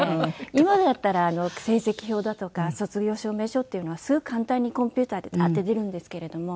今だったら成績表だとか卒業証明書っていうのはすごい簡単にコンピューターでダーッて出るんですけれども。